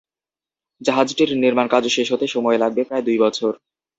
জাহাজটির নির্মাণকাজ শেষ হতে সময় লাগবে প্রায় দুই বছর।